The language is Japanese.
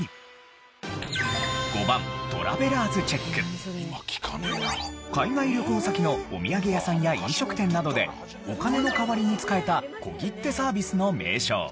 果たして海外旅行先のお土産屋さんや飲食店などでお金の代わりに使えた小切手サービスの名称。